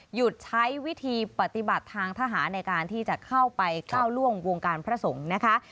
หยุดใช้วิธีปฏิบัติทางทหารในการที่จะเข้าไปก้าวล่วงวงการพระสงฆ์นะคะ